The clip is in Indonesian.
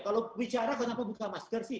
kalau bicara kenapa buka masker sih